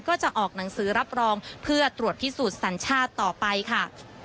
ก็จะออกหนังสือรับรองเพื่อตรวจพิสูจน์สัญชาติต่อไปค่ะ